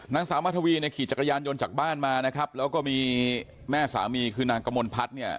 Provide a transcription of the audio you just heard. นางสาวมาทวีเนี่ยขี่จักรยานยนต์จากบ้านมานะครับแล้วก็มีแม่สามีคือนางกมลพัฒน์เนี่ย